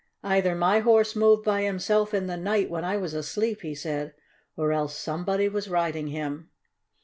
"Either my Horse moved by himself in the night when I was asleep," he said, "or else somebody was riding him."